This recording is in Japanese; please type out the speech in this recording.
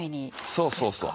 そうそうそう。